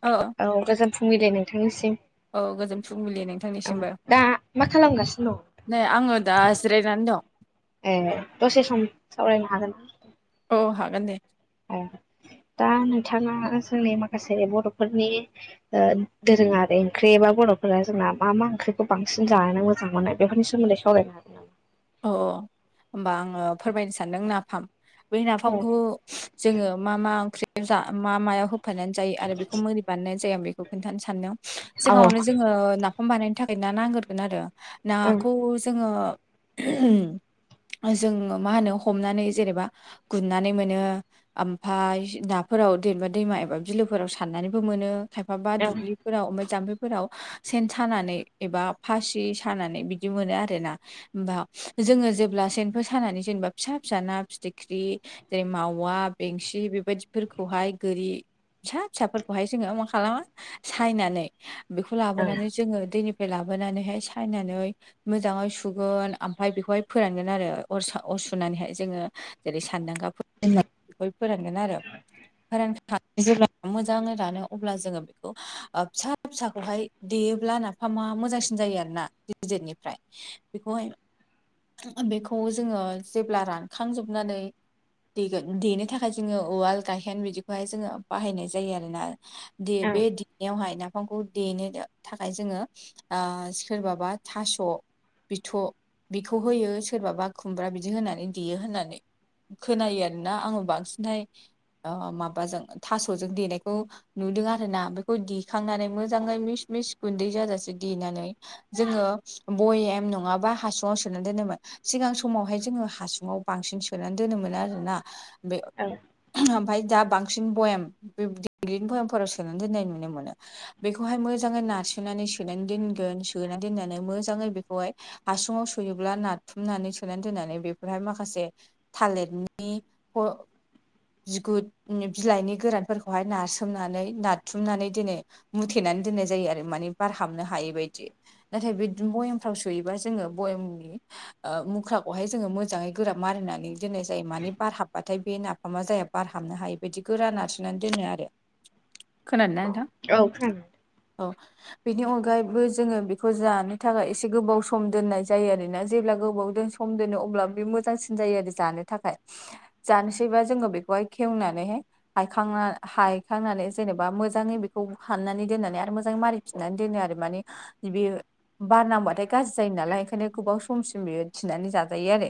अ। औ गोजोन फुंबिलि नोंथांनिसिम। गोजोन फुंबिलि औ नोंथांनिसिमबो दा मा खालामगासिनो दं? नै आङो दा जिरायनानै दं। ए दसे सम सावरायनो हागोन? अ हागोन दे। दा नोंथाङा जोंनि माखासे बर'फोरनि ओ दोरोङारि ओंख्रि एबा बर'फोरा जोंना मा मा ओंख्रिखौ बांसिन जानानै मोजां मोनो बेफोर सोमोन्दै सावरायनो हागोन। नामा? अ होमबा आङो फोरमायनो सानदों नाफाम बै औ नाफामखौ जोङो मा मा ओंख्रि [unintelligible] जा मा मायाव होफानानै जायो आरो बेखौ मोरै बानायनाय जाया बेखौ खोन्थानो सानदों औ सिगाङावनो जोङो नाफाम बानायनो थाखाय ना नांगोरगोन आरो। नाखौ जोङो जोङो मा होनो हमनानै जेरैबा गुरनानै मोनो ओमफाय नाफोराव जेनेबा दैमा एबा बिलोफोराव सारनानैबो मोनो खायफाबा ओं दुब्लि फोराव ओमफाय जाम्फैफोराव सेन सानानै एबा फासि सानानै बिदि मोनो आरोना। होमबा जोङो जेब्ला सेनफोर सानानै जेनबा फिसा फिसा ना फिथिख्रि, जेरै मावा, बेंसि बेबादिफोरखौहाय गोरि फिसा फिसाफोरखौहाय जोङो मा खालामा सायनानै बेखौ लाबोनानै ओं जोङो दैनिफ्राय लाबोनानैहाय सायनानै मोजाङै सु गोन ओमफ्राय बेखौहाय फोरानगोन आरो अर साव अर सुनानैहाय जोङो जेरै सानदांगा [unintelligible] फोरानगोन आरो फोरा [unintelligible] जेब्ला मोजाङै रानो अब्ला जोङो बेखौ ओ फिसा फिसाखौहाय देयोब्ला नाफामा मोजांसिन जायो आरो ना गिदिरनिफ्राय। [unintelligible] बेखौहाय बेखौ जोङो जेब्ला रानखांजोबनानै देनो थाखाय जोङो उवाल गायखेन बिदिखौहाय जोङो बाहायनाय जायो आरोोना दे ओं ओं बे दनायावहाय ना बिफांखौ देनो थाखाय जोङो सोरबाबा थास' बिथ' बिखौ होयो सोरबाबा खुमब्रा बिदि होनानै देयो होननानै खोनायो आरोना आङो बांसिनहाय माबाजों थास'जों देनायखौ नुदों आर ना बेखौ देखांनानै मोजाङै मिस मिस गुन्दै जाजासे देनानै जोङो बयेम नङाबा हासुङाव सोनानै दोनोमोन सिगां समावहाय जोङो हासुङाव बांसिन सोनानै दोनोम मोनो आरोोना बे औ ओमफफ्राय दा बांसिन भयेम बे दिडग्लिनि भयेमफोराव सोनानै दोननाय नुनो मोनो बेखौहाय मोजाङै नारासोनानै सोनानै दोनगोन सोनानै दोननानै मोजाङै बेखौहाय हासुङाव सोयोब्ला नाथुमनानै सोनानै दोननानै बेफोरहाय माखासे थालिरनि बिगुर बिलाइनि गोरानफोरखौहाय नारास्रोमनानै नारथुमनानै दोनो मुथेनानै दोननाय जायो आरो माने बारहाबनो हायै बायदि नाथाय बे बयमफ्राव सुयोबा जोङो बयेमनि मुख्राखौहाय जोङो मोजाङै गोराब मारिनानै दोननाय जायो माने बारहाबबाथाय बे नाफामा जाया बारहाबनो हायि बायदि गोरा न आरारजिनानै दोनो आरो [unintelligible] खोनादों नथा औ खांा औ बेनि अनगायैबो जोङो बेखौ जानो थाखाय एसे गोबाव सम दोननाय जायो आरोोना जेब्ला गोबाव सम दोनो अब्ला बे मोजांसिन जायो आरो जानो थाखाय जानोसैबा जोङो बेखौहाय खेवनानैहाय हायखांना हायखांनानै जेनेबा मोजाङै बेखौ हाननानै दोननानै आरो मोजाङै मारिै फसिनानै दोनो आरो माने बेयो बारनांगबाथाय गाज्रि जायो नालाय ओंखायनो गोबाव समसिम बियो थिनानै जाजायो आरो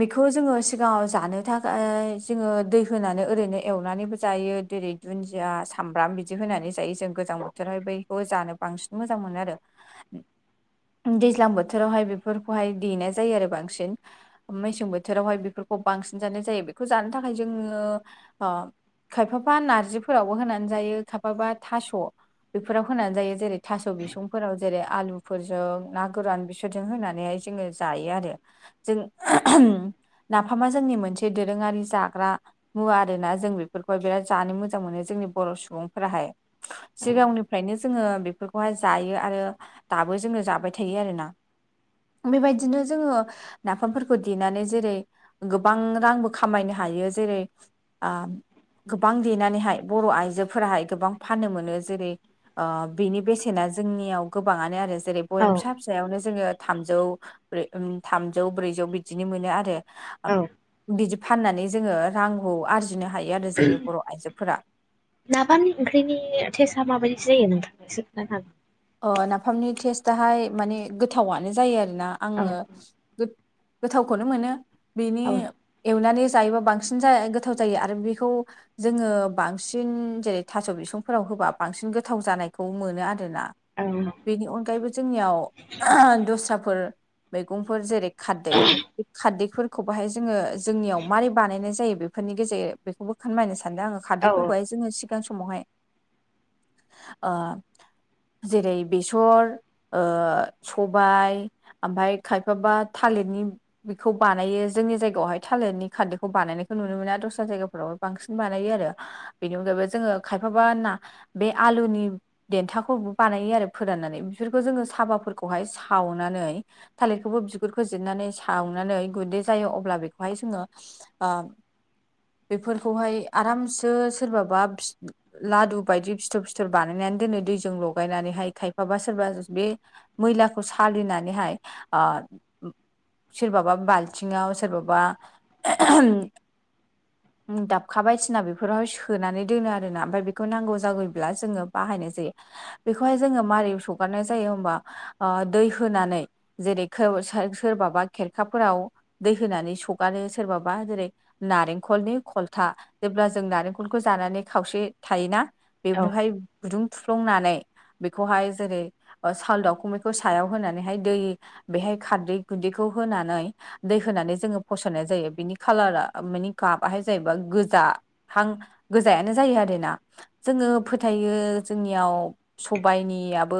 बेखौ जोङो सिगाङाव जानो थाखाय जोङो दै होनानै ओरैनो एवनानैबो जायो जेरै दुन्दिया सामब्राम बिदि होनानै जायो जों गोजां बोथोरावहाय बखौ जानो बांसिन मोजां मोनो आरो [unintelligible] दैज्लां बोथोरावहाय बेफोरखौहाय दनाय जायो आरो बांसिन मेसें बोथोरावहाय बेफोरखौ बांसिन जानाय जायो बेखौ जानो थाखाय जोङो खायफाबा नारजिफोरावबो होनानै जायो खायफाबा थास' बेफोराव होनानै जायो जेरै थास' बिसंफोराव जेरै आलुफोरजों ना गोरान बिसोरजों होनानैहाय जोङो जायो आरो जों नाफामा जोंनि मोनसे दोरोङारि जाग्रा मुवा आरोना जों बेफोरखौहाय बिराद जानो मोजां मोनो जोंनि बर' सुबुंफोराहाय सिगांनिफ्रायनो जोङो बेफोरखौहाय जायो आरो दाबो जोंनो जाबाय थायो आरोना बेबायदिनो जोङो नाफामफोरखौ देनानै जेरै गोबां रांबो खामायनो हायो जेरै गोबां देनानैहाय बर' आइजोफोराहाय गोबां फाननो मोनो जेरै बिनि बेसेना जोंनियाव गोबाङानो आरो जेरै औ बयेम फिसा फि फिसायावनो जोङो थामजौ थामजौ ब्रैजौ बिदिनो मोनो आरो औ बिदि फाननानै जोङो रांखौ आरजिनो हायो आरो जोंनि बर' आइजोफोरा नाबामनि ओंख्रिनि टेस्आ माबायदि जायो नोंथांा एसे खोन्थानो हागोन नाफामनि टेस्टाहाय माने गोथावनो जायो आरोोना आङो गोथावखौनो मोनो बिनि हागोन एवनानै जायोबा बांसिन [unintelligible] गोथाव जायो आरो बेखौ। जोङो बांसिन जेरै थास' बिसंफोराव होबा बांसिन गोथाव जानायखौ मोनो आरोना। औ बेनि अनगायैबो जोंनियाव दस्राफोर मैगंफोर जेरै खारदै खारदैफोरखौ बाहाय जोङो जोंनियाव मारै बानायनाय जायो बेफोरनि गेजेर बेखौबो फोरमायनो सानदों आङो। औ खारदैफोरखौहाय जोङो सिगां समावहाय ओ जेरै बेसर ओ सबाय ओमफाय खायफाबा थालिरनि बेखौ बानायो जोंनि जायगायावहाय थालिरनि खारदैखौ बानायनायखौ नुनो मोना दस्रा जायगाफोराव बांसिन बानायो आरो। बेनि अनगायैबो जोङो खायफाबा ना बे आलुनि देन्थाखौ बानायो आरो फोराननानै बेफोरखौ जोङो साबाफोरखौहाय सावनानै थालिरखौबो बिगुरखौ जिरनानै सावनानै गुन्दै जायो अब्ला बेखौहाय जोङो ओ बेफोरखौहाय आरामसो सोरबाबा लादु बायदि फिथर फिथर बानायनानै दोनो दैजों लगायनानैहाय खायफाबा सोरबा बे मैलाखौ सालिनानैहाय ओ सोरबाबा बाल्थिङाव सोरबाबा [unintelligible] दाबखा बायदिसिना बेफोरावहाय सोनानै दोनो आरो ना ओमफाय बेखौ नांगौ जागौब्ला जोङो बाहायनाय जायो। बेखौहाय जोङो मारै सगारनाय जायो होमबा ओ दै होनानै जेरै [unintelligible] सोरबाबा खेरखाफोराव दै होनानै सगारो सोरबाबा जेरै नारेंखलनि खलथा जेब्ला जों नारेंखलखौ जानानै खावसे थायोना। औ बेफोरावहाय गुदुं थुफ्लंनानै बेखौहाय जेरै साल दाउखुमैखौ सायाव होनानैहाय दै बेहाय खारदै गुन्दैखौ होनानै दै होनानै जोङो फसरनाय जायो बिनि खाालारा मानि गाबाहाय जाहैबाय गोजा हां गोजायानो जायो आरोना जोङो फोथायो जोंनियाव सबाइनियाबो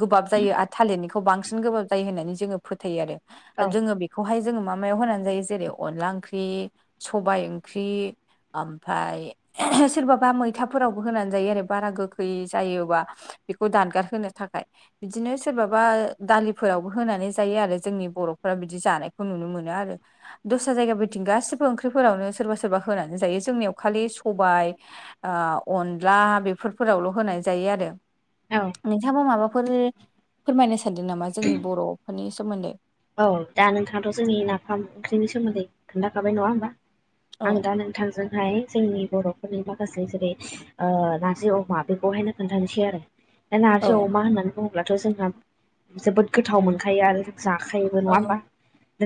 गोबाब जायो आरो थालिरनिखौ बांसिन गोबाब जायो होननानै जोङो फोथायो आरो दा औ जोङो बे खौहाय जोङो मा मायाव होनानै जायो जेरै अनला ओंख्रि सबाय ओंख्रि। ओमफाय सोरबाबा मैथाफोरावबो होनानै जायो आरो बारा गोखै जायोबा। बेखौ दानगार होनो थाखाय। बिदिनो सोरबाबा दालिफोरावबो होनानै जायो आरो जोंनि बर'फोरा बिदि जानायखौ नुनो मोनो आरो। दस्रा जायगा बायदिं गासिबो ओंख्रिफोरावनो सोरबा सोरबा होनानै जायो जोंनि आव खालि सबाय ओ अनला बेफोरफोरावल' होनाय जायो आरो औ नोंथाङा माबाफोर फोरमायनो सानदों नामा जोंनि बर' फोरनि सोमोन्दै औ दा नोंथाङाथ' जोंनि नाफाम ओंख्रिनि सोमोन्दै खोन्थाखाबाय नङा होमबा आं औ दा नों थांजोंहाय जोंनि बर'फोरनि माखासे जेरै ओ नार्जि अमा बेखौहायनो खोन्थानोसै आरो दा नारजि औ अमा होननानै बुङोब्लाथ' जोंहा जोबोद गोथाव मोनखायो आरो जों जा खायोबो औ नङा होमबा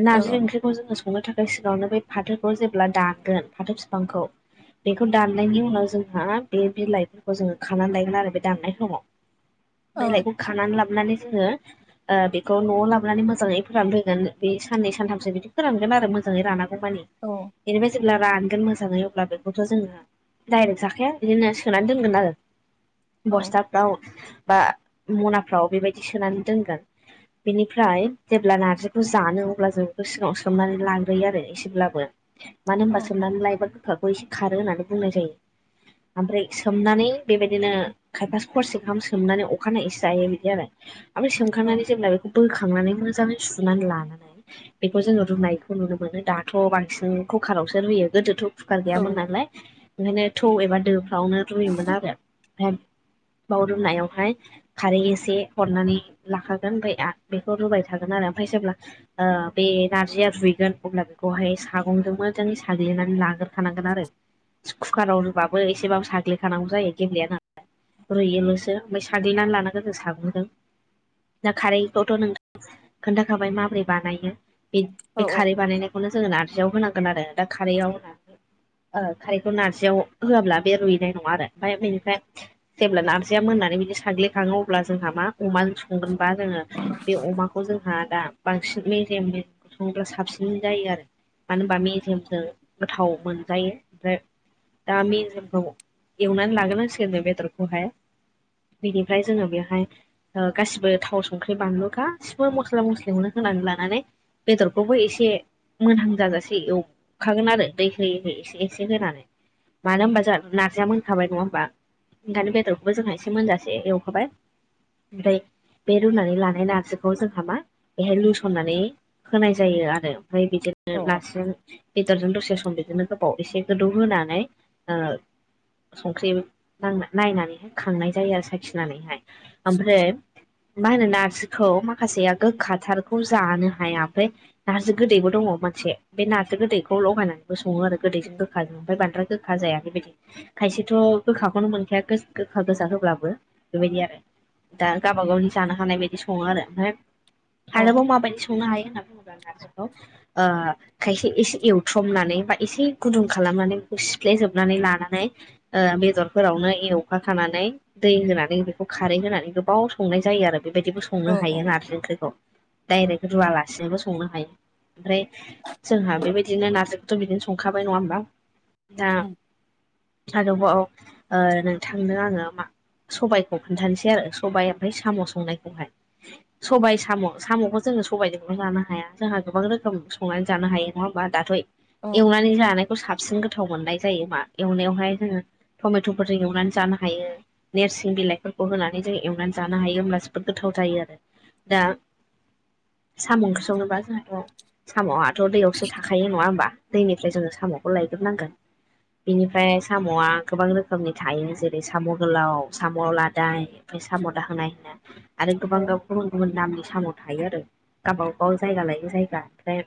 नारजि औ ओंख्रि खौ जोङो संनो थाखाय सिगाङावनो बे फाथोखौ जेब्ला दानगोन फाथो बिफांखौ बेखौ दाननायनि उनाव जोंहा बे बिलाइफोरखौ जोङो खानानै लायगोन आरो बे दाननाय समाव। औ बिलाइखौ खानानै लाबोनानै जोङो ओ बेखौ न'आव लाबोनानै मो मोजाङै फोरान फैगोन बे साननै सानथामसो बिदि फोरानगोन आरो मोजाङै रानागौ माने औ। बेनिफ्राय जेब्ला रानगोन मोजाङै अब्ला बेखौथ' जोङो डाइरेक्ट जाखाया बिदिनो सोनानै दोनगोन आरो औ बस्था [unintelligible] बा मनाफ्राव बेबायदि सोनानै दोनगोन बेनिफ्राय जेब्ला नार्जिखौ जानो अब्ला जों बेखौ सिगाङाव सोमनानै लाग्रोयो आरो एसेब्लाबो मानो औ होनबा सोमनानै लायबा गोखाखौ एसे खारो होननानै बुंनाय जायो ओमफ्राय सोमनानै बेबायदिनो खायफा हरसेगाहाम सोमनानै अखानायै सो जायो बिदि आरो आमफ्राय सोमखांनानै जेब्ला बेखौ बोखांनानै मोजाङै सुनानै लानानै बेखौ जोङो रुनायखौ नुनो मोनो दाथ' बांसिन कुकारावसो रुयो गोदोथ' कुकार औ गैयामोन नालाय ओंखायनो थौ एबा दोफ्रावनो रुयोमोन आरो, ओमफ्राय बाव रुनायावहाय खारै एसे हरनानै लाखागोन बैया बेखौ रुबाय थागोन आरो ओमफ्राय जेब्ला ओ बे नार्जिया रुइगोन अब्ला बेखौहाय सागंजों मोजाङै साग्लिनानै लाग्रोखानांगोन आरो कुकाराव रुबाबो एसेबाबो साग्लिखानांगौ जायो गेब्लेया नालाय रुयल'सो ओमफ्राय सानदलिनानै लानांग गो जों सागदों दा खारैखौथ' नोंथां खोन्थाखाबाय माबोरै बानायो बे औ बे खारै बानायनाय बेखौनो जोङो नारजियाव होनांगोन आरो दा खारैयाव होन खारैखौ नारजियाव होआब्ला बे रुइनाय नङा आरो ओमफ्राय बेनिफ्राय जेब्ला नारजिया मोननानै बिदि साग्लिखाङो अब्ला जोंहा मा अमा संगोनबा जोङो बे अमाखौ जोंहा दा बांसिन मेजेमजों संग्रा साबसिन जायो आरो मानो होनबा मेजेमजों गोथाव मोनजायो आमफ्राय दाामिन जोमफ्राव एवनानै लागोनां सोरगनो बेदरखौहाय बिनिफ्राय जोङो बेवहाय ओ गासिबो थाव संख्रि बानलु गासिबो मस्ला मस्लिखौनो होनानै लानानै बेदरखौबो एसे मोनहां जाजासे एवखागोन आरो दै होयै होयै एसे एसे होनानै मानो होनबा जोंहा नार्जिया मोनखाबाय नङा होमबा ओंखनो बेदरखौबो जोंहा एसे मोनजासे एवखाबाय ओमफ्राय बे रुनानै लानाय लानानै बिखौ जोंहा मा बेहाय लुसननानै होनाय जायो आरो ओमफ्राय बिदिनो औ नार्जिजों बेदरजों दसे सम बिदिनो गोबाव एसे गोदौ होनोनानै संख्रि नां नायनानैहाय खांनाय जायो आरो साखिनानैहाय ओमफ्राय मा होनो नारजि खौ माखासेया गोखाथारखौ जानो हाया आमफ्राय नार्जि गोदैबो दङ मोनसे। बे नारजि गोदैखौ लगायनानैबो सङो आरो गोदैजों गोखाजों ओमफ्राय बांद्राय गोखा जाया बेबायदि खायसेथ' गोखाखौनो मोनखाया गोखा गोजा होब्लाबो बेबायदि आरो दा गावाब गावनि जानो हानाय बायदि सङो आरो, ओमफ्राय आरोबाव माबायदि संनो हायो होनना बुङोब [inaudible] खौ ओ खायसे एसे एवथ्रमनानै बा एसे गुदुं खालामनानै बेखौ सिफ्लेेजोबनानै लानानै बेदरफोरावनो एवफा खानानै दै होनानै बेखौ खारै होनानै गोबाव संनाय जायो आरो बेबायदिखौ औ संनो हायो नारजि ओंख्रिखौ, डाइरेक्ट रुवालासिनोबो संनो हायो ओमफ्राय जोंहा बेबायदिनो नार्जिखौथ' बिदिनो संखाबाय नङा होमबा दा आरोबाव ओ नोंथांनो आङो मा सबायखौ खोनथानोसै आरो सबाइ ओमफ्राय साम' संनायखौहाय सबायाइ साम' साम'खौ जोङो सबायजोंल' जानो हाया जोंहा गोबां रोखोम संनानै जानो हायो नङा होमबा दाथ' एवनानै जानायखौ साबसिन गोथाव मोननाय जायो, मा एवनायावहाय जोङो टमेट'फोरजों एवनानै जानो हायो नोरसिं बिलाइफोरखौ होनानै जों एवनानै जानो हायो होमबब्ला जोबोद गोथाव जायो आरो दा साम' ओंख्रि संनोबा जोंहाथ' साम'आथ' दैयावसो थाखायो नङा होमबा! दैनिफ्राय जोङो साम'खौ लायग्रोनांगोन बिनिफ्राय साम'आ गोबां रोखोमनि थायो जेरै साम' गोलाव साम' लादाय साम' दाहोनाय होनाय होनना आरो गोबां औ गावखौ गुबुन नामनि सामाव थायो आरो गावब गाव जायगा लायो जायगा ओमफ्राय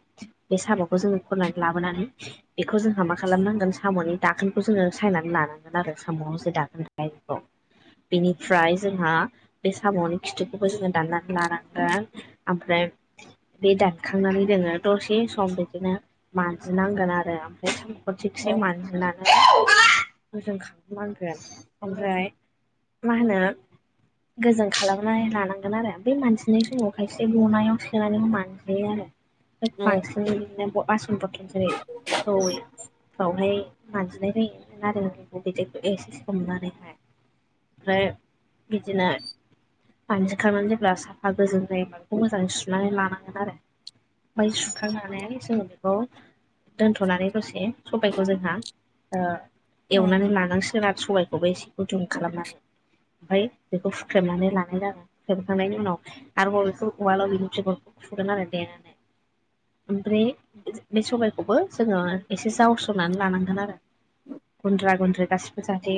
बे साब'खौ जोङो खननानै लाबोनानै बेखौ जोंहा मा खालामनांगोन साम'नि दाखोनखौ जोङो सायनानै लानांगोन आरो साम' जे दाखोन बेखौ बेनिफ्राय जोंहा बे साम'नि खिथुखौबो जोङो दाननानै लानांगोन ओमफ्राय बे दानखांनानै जोङो दसे सम बिदिनो मानजिनांगोन आरो ओमफ्राय थिखसे मानजिनानै [inaudible] जों खालामनांगोन ओमफ्राय मा होनो गोजों खालामो। फ्राय लानांगोन आरो बै मानसिनि समाव खायसे मनायाव सोनानै हनानै जायो आरो। बांसिन इदिनो आस इमपर्तेन्स जेरै [unintelligible] बावहाय मानजिनाय जायो [inaudible] बिदैखौ एसे सोमनानैहाय ओमफ्राय बिदिनो मानजि खांनानै जेब्ला साफा गोजों जायोब्ला बेखौ मोजाङै सुनानै लानांगोन आरो। ओमफ्राय सुखांनानै जोङो बेखौ दोनथ'नानै दसे सबायखौ जोंहा ओ एवनानै लानांसि जोंहा सबायखौबो एसेखौ जुम खालामनानै ओमफ्राय बेखौ हुख्रेमनानै ला [unintelligible] सोबखांनायनि उनाव आरोबाव बेखौ उवालाव बेनि बिगुरखौ खुगोन आरो देनानै। ओमफ्राय बे सबायखौबो जोङो एसे जावस्र'नानै लानांगोन आरो। गुन्द्रा गुन्द्रि गासिबो जाहाथे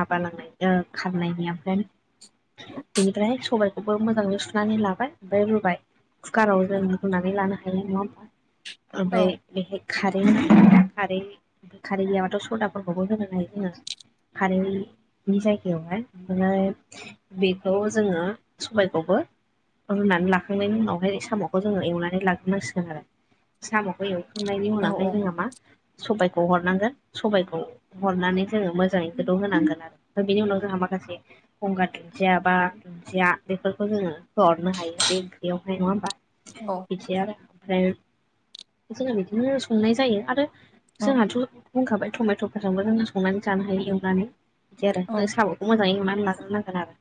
माबालांनाय खारनायनि ओमफ्राय [unintelligible] बेनिफ्राय सबायखौबो मोजाङै सुनानै लाबाय ओमफ्राय रुबाय खुकाराव जों रुनानै लानो हायो नङा होमबा ओमफ्राय बेहाय खारै खारै खारै गैयाबाथ' सदाफोरखौबो होनो हायो जोङो। कारेन्टनि जायगायावहाय ओमफ्राय बे बेखौ जोङो सबायखौबो रुनानै लाखांनायनि उनावहाय साम'खौ जोङो एवनानै लाग्रोनांसिगोन आरो साम'खौ एव नायनि उनावहाय जोंहा मा सबायखौ हरनांगोन सबबायखौ हरनानै जोङो मोजाङै गोदौ होनांगोन आरो। दा बिनि उनाव जोंहा माखासे गंगार दुन्दिया बा दुन्दिया बेफोरखौ जोङो होहरनो हायो बे ओंख्रियावहाय नङा होमबा औ [unintelligible] आरो ओमफ्राय जों बिदिनो संनाय जायो आरो औ जोंहाथ' बुंखाबाय टमेट'फोरजोंबो जोंङो संनानै जानो हायो एवनानै बिदि आरो औ हो साबो। मोजाङै एवनानै लाग्रोनांगोन आरो।